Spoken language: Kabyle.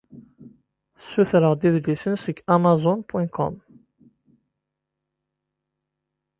Ssutreɣ-d idlisen seg Amazon.com.